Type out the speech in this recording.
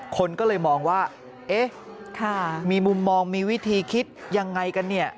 คนก็เลยมองว่าเอ๊ะมีมุมมองมีวิธีคิดยังไงกันเนี่ย